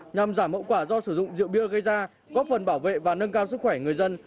nhằm giảm hậu quả do sử dụng rượu bia gây ra góp phần bảo vệ và nâng cao sức khỏe người dân